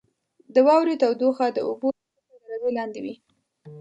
• د واورې تودوخه د اوبو د صفر درجې لاندې وي.